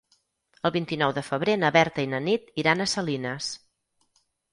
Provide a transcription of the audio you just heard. El vint-i-nou de febrer na Berta i na Nit iran a Salines.